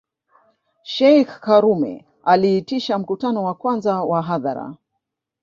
Sheikh karume aliitisha mkutano wa kwanza wa hadhara